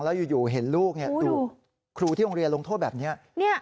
แล้วอยู่เห็นลูกถูกครูที่โรงเรียนลงโทษแบบนี้